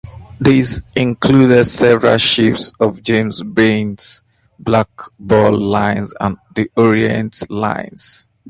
These included several ships of James Baines' Black Ball Line and the Orient Line.